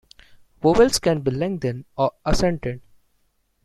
Vowels can be lengthened or accented.